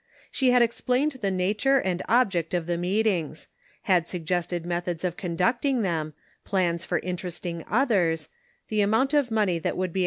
She had explained the nature and object of the meetings ; had suggested methods of conducting them ; plans for interesting others; the amount of money that would be 235 236 The Pocket Measure.